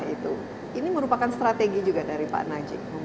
ini merupakan strategi juga dari pak najib